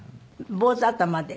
坊主頭で。